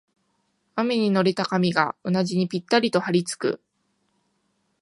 雨に濡れた髪がうなじにぴったりとはりつく